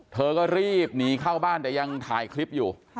เธอก็รีบหนีเข้าบ้านแต่ยังถ่ายคลิปอยู่